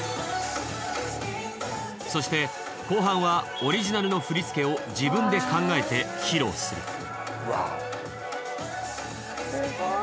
そして後半はオリジナルの振り付けを自分で考えて披露する。